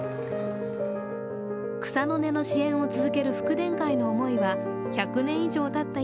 草の根の支援を続ける福田会の思いは１００年以上たった